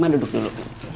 ma duduk dulu